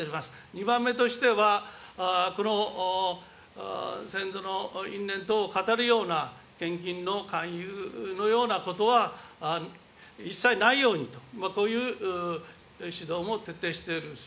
２番目としては、この先祖の因縁等を語るような献金の勧誘のようなことは一切ないようにと、こういう指導も徹底しております。